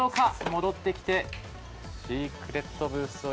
戻ってきてシークレットブースを一度経由。